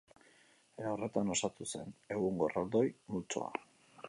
Era horretan osatu zen egungo erraldoi multzoa.